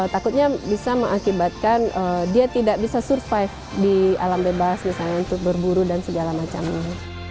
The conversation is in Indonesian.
takutnya bisa mengakibatkan dia tidak bisa survive di alam bebas misalnya untuk berburu dan segala macamnya